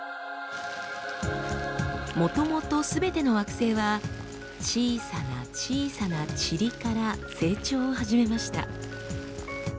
もともとすべての惑星は小さな小さなチリから成長を始めました。